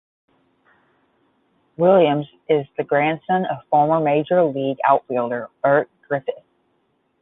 Williams is the grandson of former major league outfielder Bert Griffith.